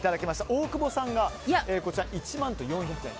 大久保さんが１万と４００円。